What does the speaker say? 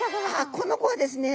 この子はですね